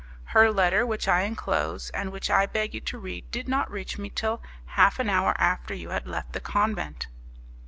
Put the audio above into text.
Her letter, which I enclose, and which I beg you to read, did not reach me till half an hour after you had left the convent.